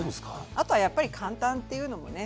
あとはやっぱり「簡単」っていうのもね